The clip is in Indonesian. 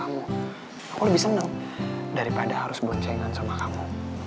aku lebih seneng daripada harus boncengan sama kamu